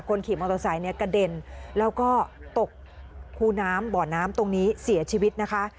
ขี่มอเตอร์ไซค์เนี่ยกระเด็นแล้วก็ตกคูน้ำบ่อน้ำตรงนี้เสียชีวิตนะคะ